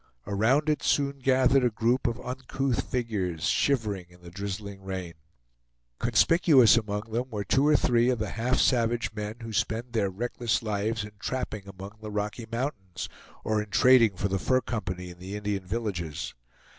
Around it soon gathered a group of uncouth figures, shivering in the drizzling rain. Conspicuous among them were two or three of the half savage men who spend their reckless lives in trapping among the Rocky Mountains, or in trading for the Fur Company in the Indian villages.